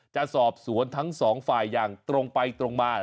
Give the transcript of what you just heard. จะสอบสวนทั้งสองฝ่ายอย่างตรงไปตรงมา